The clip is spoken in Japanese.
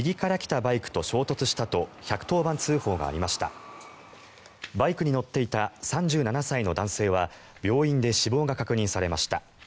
バイクに乗っていた３７歳の男性は病院で死亡が確認されました。